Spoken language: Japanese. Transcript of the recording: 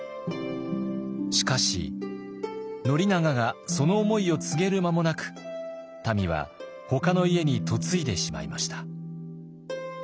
しかし宣長がその思いを告げる間もなくたみはほかの家に嫁いでしまいました。